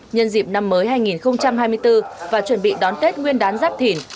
nhân dịp năm mới hai nghìn hai mươi bốn và chuẩn bị đón tết nguyên đán giáp thìn